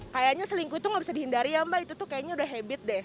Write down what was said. kayaknya selingkuh itu nggak bisa dihindari ya mbak itu tuh kayaknya udah habit deh